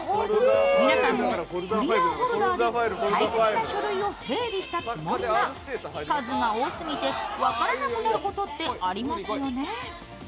皆さんもクリアホルダーで大切な書類を整理したつもりが数が多すぎて分からなくなることってありますよね。